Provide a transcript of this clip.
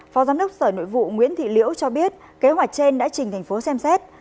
phó giám đốc sở nội vụ nguyễn thị liễu cho biết kế hoạch trên đã trình thành phố xem xét